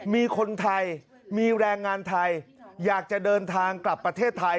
มีคนไทยมีแรงงานไทยอยากจะเดินทางกลับประเทศไทย